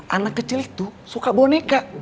anak kecil itu suka boneka